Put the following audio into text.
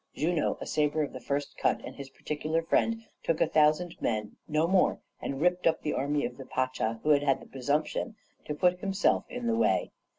Junot, a sabre of the first cut, and his particular friend, took a thousand men, no more, and ripped up the army of the pacha who had had the presumption to put himself in the way.